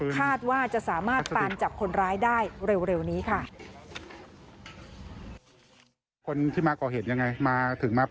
คาดว่าจะสามารถตามจับคนร้ายได้เร็วนี้ค่ะ